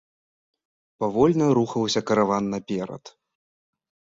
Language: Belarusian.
Павольна рухаўся караван наперад.